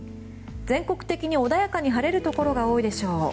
全国的に穏やかに晴れるところが多いでしょう。